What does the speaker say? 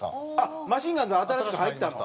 マシンガンズは新しく入ったんだ。